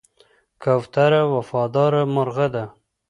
کوتره وفاداره مرغه ده.